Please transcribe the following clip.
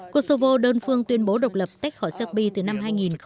kosovo đơn phương tuyên bố độc lập tách khỏi serbia từ năm hai nghìn tám